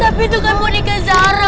tapi bukan bonekanya zara